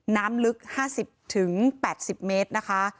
น้ำลึก๕๐๘๐เมตรนะคะ